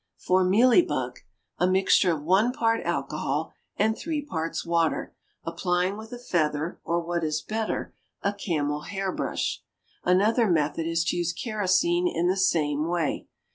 For MEALY BUG, a mixture of one part alcohol and three parts water, applying with a feather, or what is better, a camel hair brush. Another method is to use kerosene in the same way.